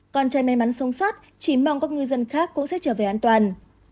con trai may mắn sông sát chỉ mong các ngư dân khác cũng sẽ trở về an toàn